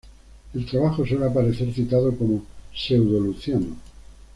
El trabajo suele aparecer citado como "Pseudo-Luciano".